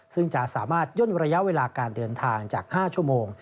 ซึ่งจะสามารถย่นระยะเวลาการเดินทางจาก๕ชั่วโมง